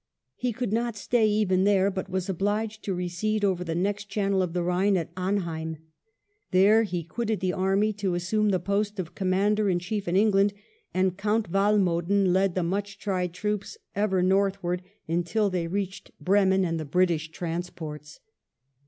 He could not stay even there, but was obliged to recede over the next channel of the Ehine at Amheim. There he quitted the army to assume the post of Commander in Chief in England, and Count Walmoden led the much tried troops ever northward until they reached Bremen COMMANDS THE REAR GUARD and the British transports.